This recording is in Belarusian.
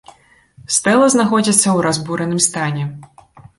Стэла знаходзіцца ў разбураным стане.